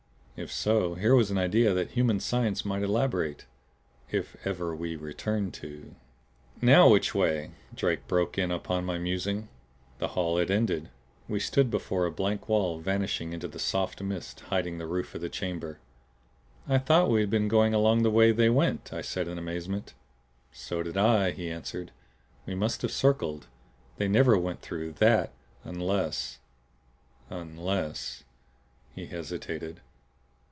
If so here was an idea that human science might elaborate if ever we returned to "Now which way?" Drake broke in upon my musing. The hall had ended. We stood before a blank wall vanishing into the soft mists hiding the roof of the chamber. "I thought we had been going along the way They went," I said in amazement. "So did I," he answered. "We must have circled. They never went through THAT unless unless " He hesitated.